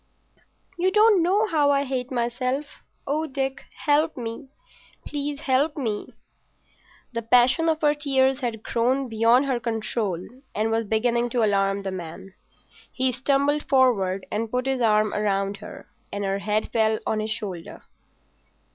"You don't know how I hate myself. Oh, Dick, help me—help me!" The passion of tears had grown beyond her control and was beginning to alarm the man. He stumbled forward and put his arm round her, and her head fell on his shoulder.